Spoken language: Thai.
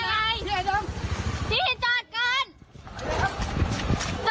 มีผู้ชายคนหนึ่งขี่มามีผู้ชายคนหนึ่งขี่มา